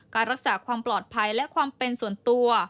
การรักษาความปลอดภัยและความเป็นส่วนตัว